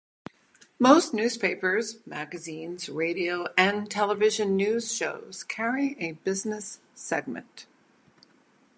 Most newspapers, magazines, radio, and television news shows carry a business segment.